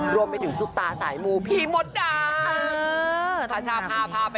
ร่วมไปถึงสุขตาสายหมูพี่มดด่า